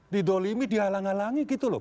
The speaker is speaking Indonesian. di dolimi dihalang halangi gitu loh